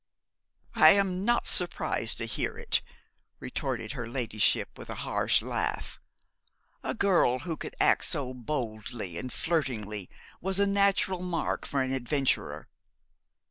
'I am not surprised to hear it,' retorted her ladyship, with a harsh laugh. 'A girl who could act so boldly and flirtingly was a natural mark for an adventurer.